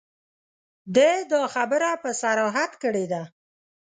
ده دا خبره په صراحت کړې ده.